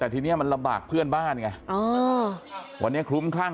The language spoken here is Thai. ที่เห็นซากที่ผูกพัง